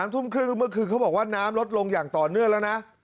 ทุ่มครึ่งเมื่อคืนเขาบอกว่าน้ำลดลงอย่างต่อเนื่องแล้วนะ